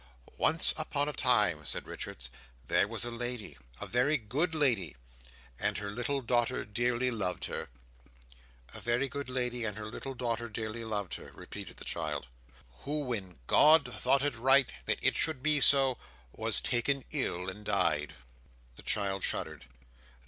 "Once upon a time," said Richards, "there was a lady—a very good lady, and her little daughter dearly loved her." "A very good lady and her little daughter dearly loved her," repeated the child. "Who, when God thought it right that it should be so, was taken ill and died." The child shuddered.